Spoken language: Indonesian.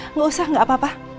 enggak usah enggak apa apa